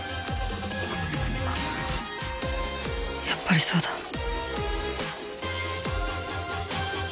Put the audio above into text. やっぱりそうだ。